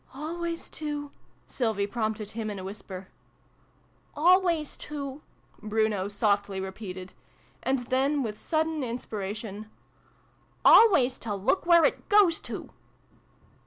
"Always to Sylvie prompted him in a whisper. " Always to ' Bruno softly repeated : and then, with sudden inspiration, " always to look where it goes to